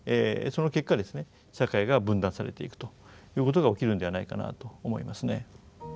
その結果ですね社会が分断されていくということが起きるんではないかなと思いますね。